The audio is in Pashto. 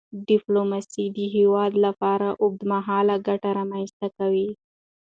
ډیپلوماسي د هیواد لپاره اوږدمهاله ګټه رامنځته کوي.